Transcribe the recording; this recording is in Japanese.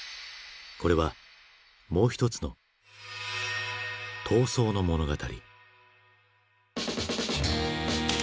これはもう一つの「逃走」の物語。